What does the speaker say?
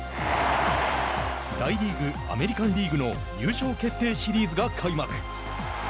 大リーグ、アメリカンリーグの優勝決定シリーズが開幕。